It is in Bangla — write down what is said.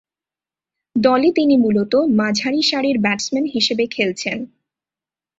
দলে তিনি মূলতঃ মাঝারি সারির ব্যাটসম্যান হিসেবে খেলছেন।